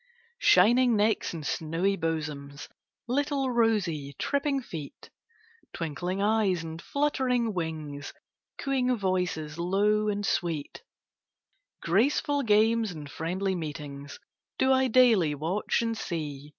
Shining necks and snowy bosoms, Little rosy, tripping feet, Twinkling eyes and fluttering wings, Cooing voices, low and sweet, Graceful games and friendly meetings, Do I daily watch and see.